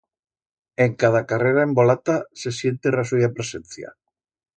En cada carrera embolata, se siente ra suya presencia.